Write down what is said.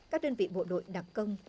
các đơn vị bộ đội đặc công